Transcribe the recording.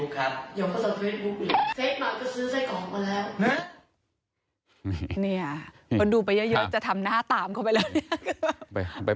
คนดูไปเยอะจะทำหน้าตามเข้าไปแล้วเนี่ย